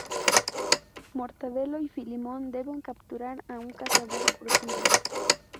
Mortadelo y Filemón deben capturar a un cazador furtivo.